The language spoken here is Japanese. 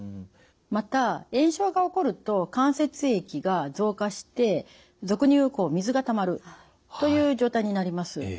また炎症が起こると関節液が増加して俗に言う水がたまるという状態になります。